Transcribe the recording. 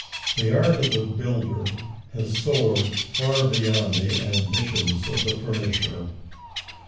The art of the builder had soared far beyond the ambitions of the furnisher.